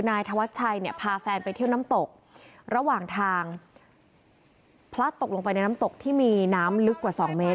นายธวัชชัยเนี่ยพาแฟนไปเที่ยวน้ำตกระหว่างทางพลัดตกลงไปในน้ำตกที่มีน้ำลึกกว่าสองเมตร